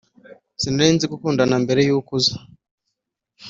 sinarinzi gukundana mbere y’ukuza